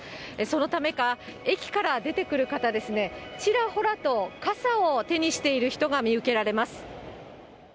そのためか、駅から出てくる方ですね、ちらほらと傘を手にしている人が見受けられます。